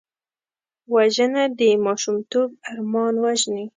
وژنه د ماشومتوب ارمان وژني